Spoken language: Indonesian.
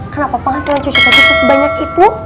kenapa penghasilan cucu cucu sebanyak itu